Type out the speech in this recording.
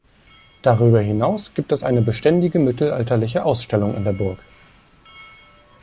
Darüber hinaus gibt es eine beständige mittelalterliche Ausstellung in der Burg.